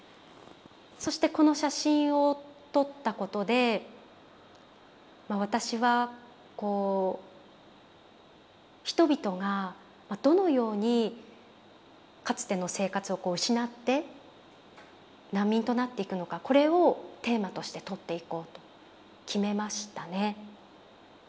そしてこの写真を撮ったことで私はこう人々がどのようにかつての生活を失って難民となっていくのかこれをテーマとして撮っていこうと決めましたね。